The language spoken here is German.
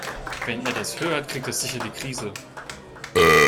Wenn er das hört, kriegt er sicher die Krise.